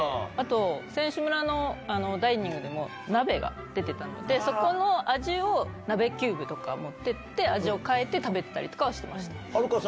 あと選手村のダイニングも鍋が出てたので、そこの味を鍋キューブとか持ってって、味を変えて食べてたりとかはしてました。